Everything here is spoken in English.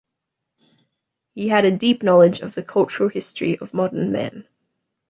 He had a deep knowledge of the cultural history of modern man.